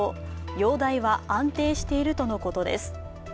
容体は安定しているとのことです。